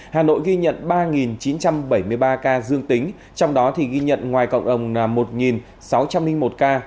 hà nội ghi nhận ba chín trăm bảy mươi ba ca dương tính trong đó ghi nhận ngoài cộng đồng là một sáu trăm linh một ca